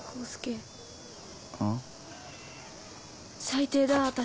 最低だ私。